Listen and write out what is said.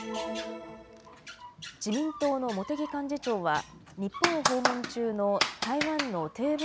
自民党の茂木幹事長は日本を訪問中の台湾の鄭文